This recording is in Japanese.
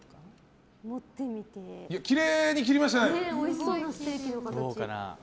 きれいに切りましたね。